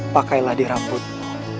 pakailah di rambutmu